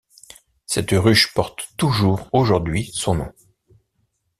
Cette ruche porte toujours aujourd'hui son nom.